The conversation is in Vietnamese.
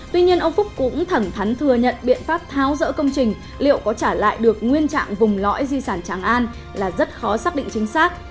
tuy nhiên ông phúc cũng thẳng thắn thừa nhận biện pháp tháo rỡ công trình liệu có trả lại được nguyên trạng vùng lõi di sản tràng an là rất khó xác định chính xác